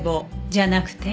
じゃなくて。